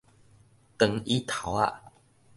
長椅頭仔